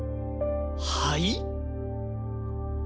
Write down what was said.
はい！？